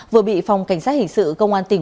vừa bị phòng cảnh sát hình sự công an tỉnh quảng bắc